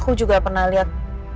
aku juga pernah liat